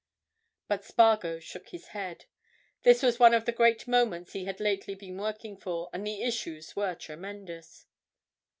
But Spargo shook his head. This was one of the great moments he had lately been working for, and the issues were tremendous.